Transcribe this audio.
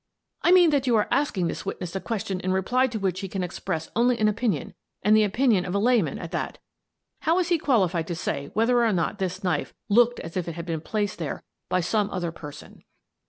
" I mean that you are asking this witness a ques tion in reply to which he can express only an opin ion, and the opinion of a layman at that. How is he qualified to say whether or not this knife ' looked as if it had been placed there by some other person